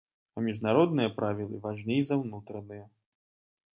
А міжнародныя правілы важней за ўнутраныя.